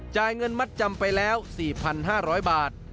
เงินมัดจำไปแล้ว๔๕๐๐บาท